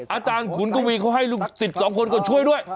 อาจารย์ขุนกู้วีร์เค้าให้ลูก๑๒คนก็ช่วยด้วย